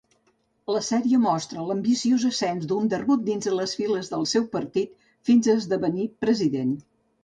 La sèrie mostra l'ambiciós ascens d'Underwood dins les files del seu partit fins a esdevenir president.